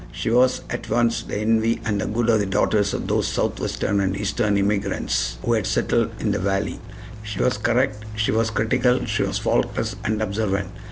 She was at once the envy and the goad of the daughters of those Southwestern and Eastern immigrants who had settled in the valley. She was correct, she was critical, she was faultless and observant.